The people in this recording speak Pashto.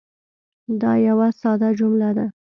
دا یوه ساده جمله ده.